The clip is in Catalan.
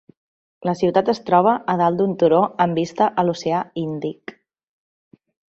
La ciutat es troba a dalt d'un turó amb vista a l'oceà Índic.